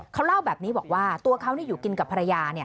เขาเล่าแบบนี้บอกว่าตัวเขาอยู่กินกับภรรยา